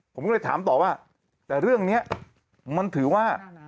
ผมก็เลยถามต่อว่าแต่เรื่องนี้มันถือว่า